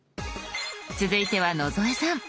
続いては野添さん。